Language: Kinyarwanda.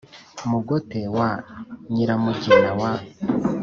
mugote wa nyiramugina wa